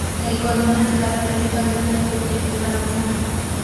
La economía se basa principalmente en el cultivo de la manzana.